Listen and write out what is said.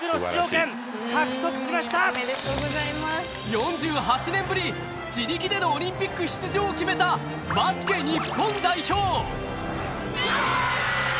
４８年ぶり、自力でのオリンピック出場を決めたバスケ日本代表。